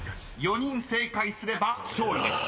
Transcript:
［４人正解すれば勝利です］